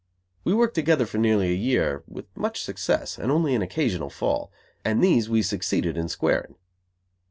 We worked together for nearly a year with much success and only an occasional fall, and these we succeeded in squaring.